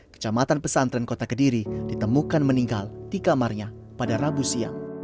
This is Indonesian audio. kecamatan pesantren kota kediri ditemukan meninggal di kamarnya pada rabu siang